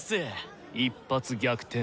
一発逆転。